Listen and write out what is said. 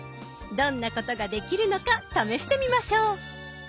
どんなことができるのか試してみましょう。